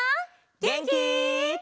げんき？